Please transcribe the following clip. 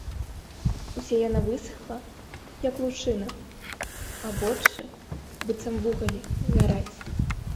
Уся яна высахла, як лучына, а вочы, быццам вугалі, гараць.